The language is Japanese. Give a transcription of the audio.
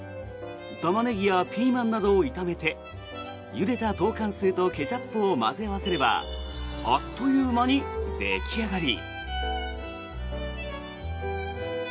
タマネギやピーマンなどを炒めてゆでたトーカンスーとケチャップを混ぜ合わせればあっという間に出来上がり。